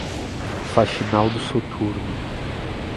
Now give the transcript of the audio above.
Faxinal do Soturno